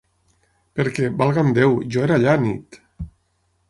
Per què, valga'm Déu, jo era allà anit!